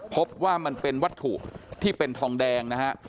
พบว่ามันเป็นวัตถุที่เป็นทองแดงนะฮะ